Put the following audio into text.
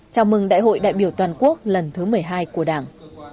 chào mừng đại hội đại biểu toàn quốc lần thứ một mươi hai của đảng